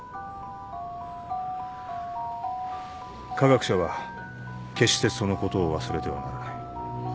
科学者は決してそのことを忘れてはならない。